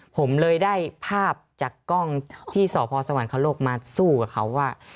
ผมเลยได้ภาพจากกล้องที่สพสวรรคโลกมาสู้กับเขาว่า